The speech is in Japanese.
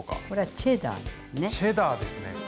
これはチェダーですね。